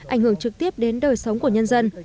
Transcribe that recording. ảnh hưởng trực tiếp đến đời sống của nhân dân